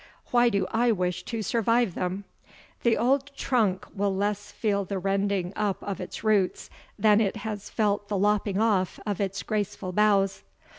Why do I wish to survive them? The old trunk will less feel the rending up of its roots, than it has felt the lopping off of its graceful boughs.